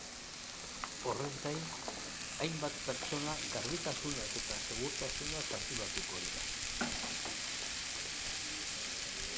Horrez gain, hainbat pertsona garbitasunaz eta segurtasunaz arduratuko dira.